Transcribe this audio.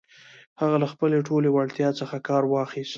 هغه له خپلې ټولې وړتيا څخه کار واخيست.